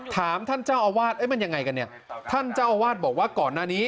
ท่านเจ้าอาวาสมันยังไงกันเนี่ยท่านเจ้าอาวาสบอกว่าก่อนหน้านี้